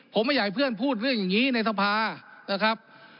ผมไม่อยากให้เพื่อนพูดเรื่องอย่างนี้ในสภานะครับ